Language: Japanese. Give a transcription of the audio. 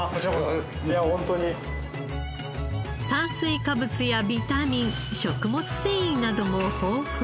炭水化物やビタミン食物繊維なども豊富。